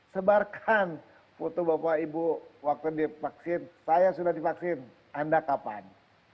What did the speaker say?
sebarkan foto bapak ibu waktu divaksin saya sudah divaksin anda kapan